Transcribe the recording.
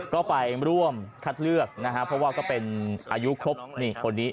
ก็ไปร่วมคัดเลือกนะฮะเพราะว่าก็เป็นอายุครบนี่คนนี้